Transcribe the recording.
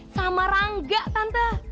sama rangga tante